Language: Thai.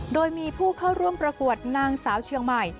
โดยมีผู้เข้าร่วมประกวดนางสาวเชียงใหม่